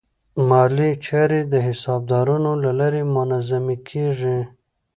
مالي چارې د حسابدارانو له لارې منظمې کېږي.